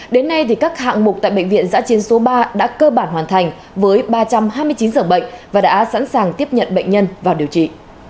đến nay các hạng mục tại bệnh viện giã chiến số ba đã cơ bản hoàn thành với ba trăm hai mươi chín giường bệnh và đã sẵn sàng tiếp nhận bệnh nhân vào điều trị